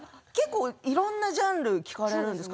いろんなジャンルを聴かれるんですか？